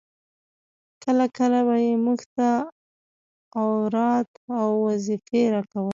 کله کله به يې موږ ته اوراد او وظيفې راکولې.